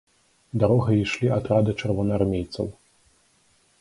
Дарогай ішлі атрады чырвонаармейцаў.